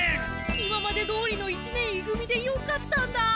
今までどおりの一年い組でよかったんだ！